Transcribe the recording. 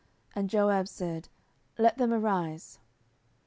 And Joab said, Let them arise.